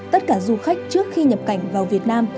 tất cả du khách trước khi nhập cảnh vào việt nam